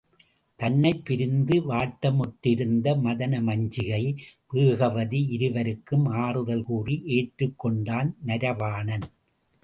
தன்னைப் பிரிந்து வாட்டமுற்றிருந்த மதனமஞ்சிகை, வேகவதி இருவருக்கும் ஆறுதல் கூறி ஏற்றுக் கொண்டான் நரவாணன்.